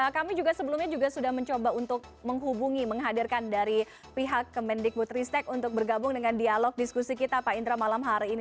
kami juga sebelumnya juga sudah mencoba untuk menghubungi menghadirkan dari pihak kemendikbud ristek untuk bergabung dengan dialog diskusi kita pak indra malam hari ini